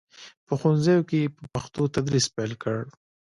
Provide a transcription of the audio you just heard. په ښوونځیو کې یې په پښتو تدریس پیل کړ.